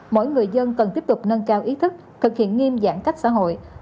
mỗi người dân cần tiếp tục nâng cao ý thức thực hiện nghiêm giãn cách xã hội